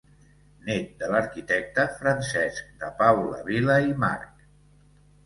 Nét de l'arquitecte Francesc de Paula Vila i March.